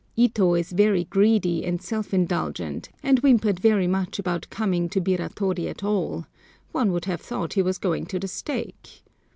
Ito is very greedy and self indulgent, and whimpered very much about coming to Biratori at all,—one would have thought he was going to the stake.